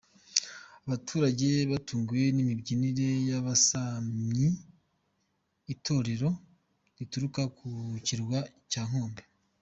Abaturage batunguwe n’imibyinire y’Abasamyi ,itorero rituruka ku kirwa cya Nkombo.